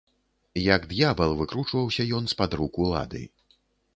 Як д'ябал, выкручваўся ён з-пад рук улады.